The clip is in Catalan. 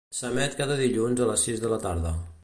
S'emet cada dilluns a les sis de la tarda.